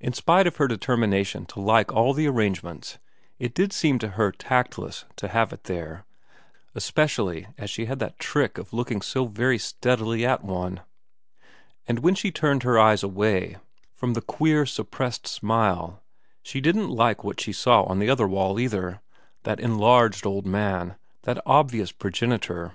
In spite of her deter mination to like all the arrangements, it did seem to her tactless to have her there, especially as she had that trick of looking so very steadily at one ; and when she turned her eyes away from the queer, suppressed smile, she didn't like what she saw on the other wall either, that enlarged old man, that obvious progenitor.